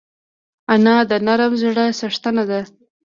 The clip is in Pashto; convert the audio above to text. انا د نرم زړه څښتنه ده